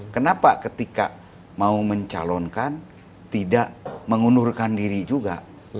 kenapa ketika mau mencalonkan tidak mengundurkan diri juga